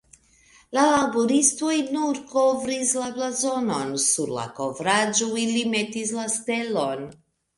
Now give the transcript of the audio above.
La laboristoj nur kovris la blazonon, sur la kovraĵo ili metis la stelon.